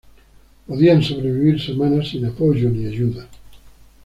Podían sobrevivir semanas sin apoyo ni ayuda.